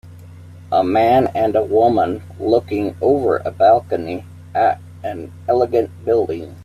A man and a woman looking over a balcony at an elegant building